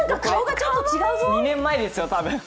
２年前ですよ、多分。